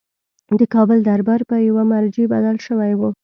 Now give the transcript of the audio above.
د کابل دربار په یوه مرجع بدل شوی وو.